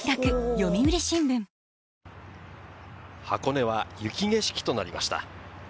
箱根は雪景色となりました。